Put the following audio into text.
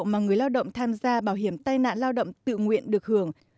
mà người lao động tham gia bảo hiểm tai nạn lao động tự nguyện được hưởng